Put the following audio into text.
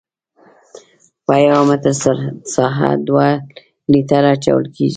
په یو متر مربع ساحه دوه لیټره اچول کیږي